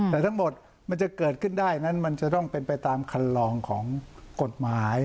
แต่ทั้งหมดมันจะเกิดขึ้นได้นั้นมันจะต้องเป็นไปตามคันลองของกฎหมาย